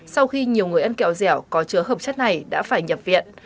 sau khi nhiều người ăn kẹo dẻo có chứa hợp chất này đã phải nhập viện